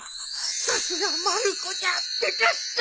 さすがまる子じゃでかした！